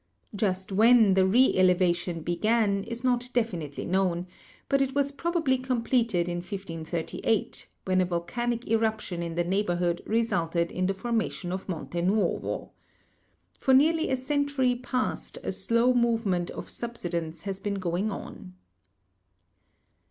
Just when the reelevation began is not definitely known, but it was probably completed in 1538, when a volcanic eruption in the neighborhood resulted in the formation of Monte Nuovo. For nearly a century past a slow movement of subsidence has been going on.